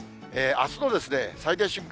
あすの最大瞬間